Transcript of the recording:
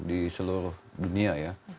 di seluruh dunia ya